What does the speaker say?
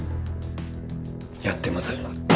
やってません